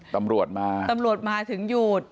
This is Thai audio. ตำรวจมาตำรวจมาถึงหยุด